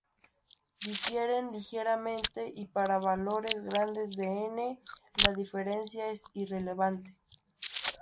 Difieren ligeramente y, para valores grandes de "n", la diferencia es irrelevante.